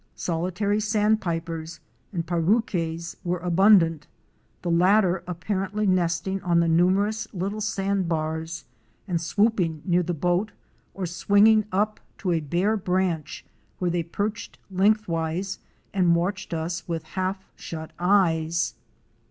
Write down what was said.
Solitary Sandpipers *! and Parauques"° were abundant, the latter apparently nesting on the numerous little sand bars, and swooping near the boat or swinging up to a bare branch where they perched lengthwise and watched us with half shut eyes.